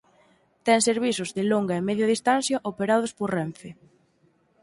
Ten servizos de Longa e Media distancia operados por Renfe.